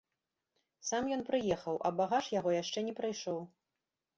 Сам ён прыехаў, а багаж яго яшчэ не прыйшоў.